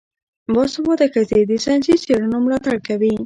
باسواده ښځې د ساینسي څیړنو ملاتړ کوي.